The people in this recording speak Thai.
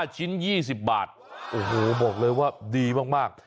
ชิ้น๒๐บาทโอ้โหบอกเลยว่าดีมาก